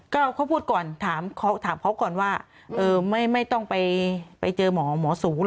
ก็เขาพูดก่อนถามเขาก่อนว่าไม่ต้องไปเจอหมอหมอศูนย์